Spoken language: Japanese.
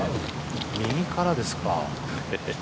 右からですか。